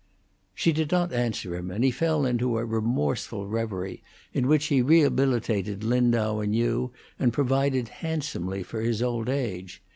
She did not answer him, and he fell into a remorseful reverie, in which he rehabilitated Lindau anew, and provided handsomely for his old age.